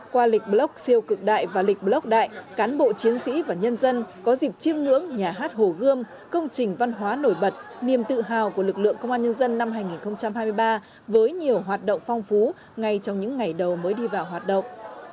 qua lịch block siêu cực đại và lịch block đại cán bộ chiến sĩ và nhân dân có dịp chiêm ngưỡng nhà hát hồ gươm công trình văn hóa nổi bật niềm tự hào của lực lượng công an nhân dân năm hai nghìn hai mươi ba với nhiều hoạt động phong phú ngay trong những ngày đầu mới đi vào hoạt động